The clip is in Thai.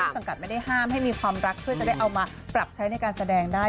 สังกัดไม่ได้ห้ามให้มีความรักเพื่อจะได้เอามาปรับใช้ในการแสดงได้